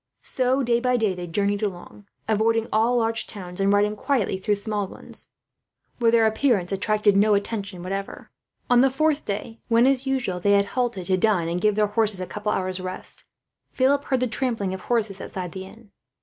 So day by day they journeyed along, avoiding all large towns, and riding quietly through small ones, where their appearance attracted no attention whatever. On the fourth day when, as usual, they had halted to dine and give their horses a couple of hours' rest, Philip heard the trampling of horses outside the inn.